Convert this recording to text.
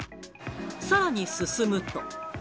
さらに、進むと。